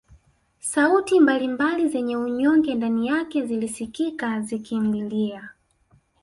Sauti mbali mbali zenye unyonge ndani yake zilisikika zikimlilia